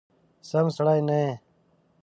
سم سړی نه یې !